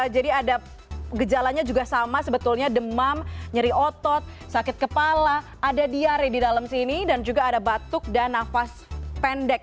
jadi ada gejalanya juga sama sebetulnya demam nyeri otot sakit kepala ada diare di dalam sini dan juga ada batuk dan nafas pendek